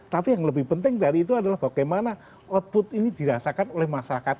tapi yang lebih penting dari itu adalah bagaimana output ini dirasakan oleh masyarakat